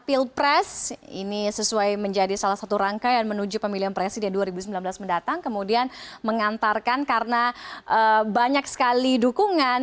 pilpres ini sesuai menjadi salah satu rangkaian menuju pemilihan presiden dua ribu sembilan belas mendatang kemudian mengantarkan karena banyak sekali dukungan